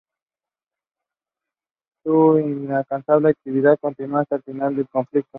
Su incansable actividad continuó hasta el final del conflicto.